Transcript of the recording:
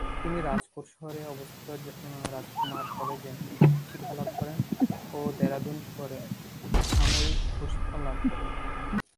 তিনি রাজকোট শহরে অবস্থিত রাজকুমার কলেজে শিক্ষালাভ করেন ও দেরাদুন শহরে সামরিক প্রশিক্ষণ লাভ করেন।